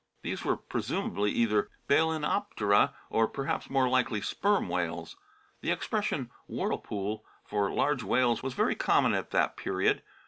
These were pre sumably either Balcenoptera, or perhaps more likely Sperm whales. The expression " whorlepoole" for large whales was very common at that period.